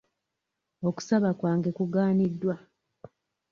Okusaba kwange kugaaniddwa.